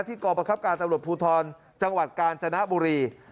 ที่กรประคับการประบบภูทรภูทรจังหวัดกาญจนบุรี